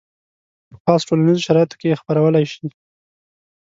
په خاصو ټولنیزو شرایطو کې یې خپرولی شي.